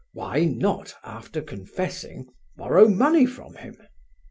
'Why not, after confessing, borrow money from him?